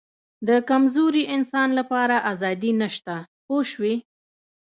د کمزوري انسان لپاره آزادي نشته پوه شوې!.